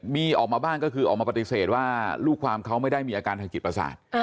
มีออกมาบ้างก็คือออกมาปฏิเสธว่าลูกความเขาไม่ได้มีอาการทางจิตประสาท